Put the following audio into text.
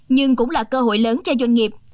nhưng cũng là cơ hội lớn cho doanh nghiệp